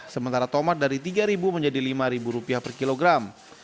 sementara tomat dari tiga ribu menjadi lima ribu rupiah per kilogram